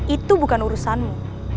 itu bukan urusanmu